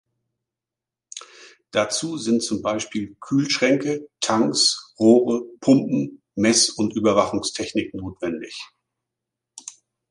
Dazu sind zum Beispiel Kühlschränke, Tanks, Rohre, Pumpen, Mess- und Überwachungstechnik notwendig.